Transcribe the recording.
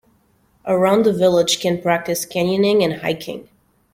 Around the village can practice canyoning and hiking.